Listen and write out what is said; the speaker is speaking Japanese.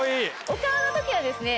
お顔の時はですね